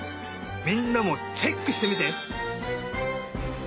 みんなもチェックしてみて！